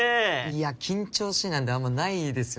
いや緊張しいなんであんまないですよ